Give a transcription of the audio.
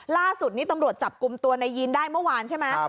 ล่าสุดนี้ตำรวจจับกลุ่มตัวนายยีนได้เมื่อวานใช่ไหม